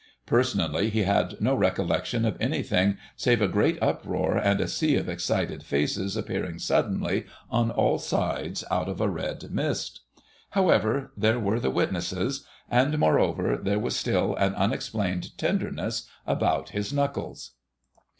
Personally he had no recollection of anything save a great uproar and a sea of excited faces appearing suddenly on all sides out of a red mist.... However, there were the witnesses, and, moreover, there was still an unexplained tenderness about his knuckles.